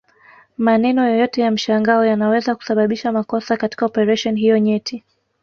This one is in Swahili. Maneno yoyote ya mshangao yanaweza kusababisha makosa katika operesheni hiyo nyeti